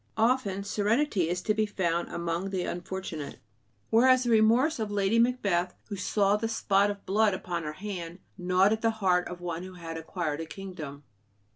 Often serenity is to be found among the unfortunate, whereas the remorse of Lady Macbeth, who saw the spot of blood upon her hand, gnawed at the heart of one who had acquired a kingdom.